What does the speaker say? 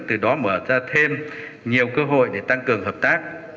từ đó mở ra thêm nhiều cơ hội để tăng cường hợp tác